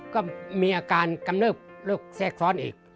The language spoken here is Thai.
ก็มีอาการกำเนิบโรคแทรกซ้อนอีก